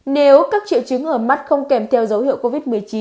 nếu các triệu chứng ở mắt không kèm theo dấu hiệu covid một mươi chín